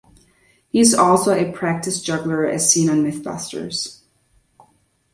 He is also a practiced juggler as seen on "MythBusters".